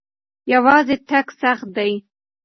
یوازې تګ سخت دی.